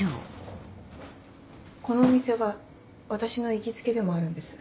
このお店は私の行きつけでもあるんです。